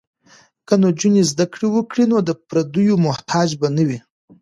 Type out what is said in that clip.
که نجونې زده کړې وکړي نو د پردیو محتاج به نه وي.